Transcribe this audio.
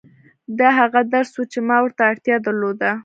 دا هغه درس و چې ما ورته اړتيا درلوده.